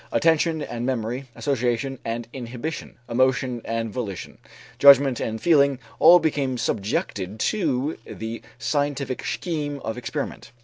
Attention and memory, association and inhibition, emotion and volition, judgment and feeling all became subjected to the scientific scheme of experiment.